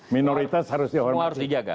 minoritas harus dihormati